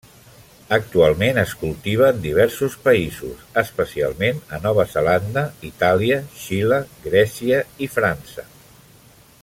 Actualment es cultiva en diversos països, especialment a Nova Zelanda, Itàlia, Xile, Grècia i França.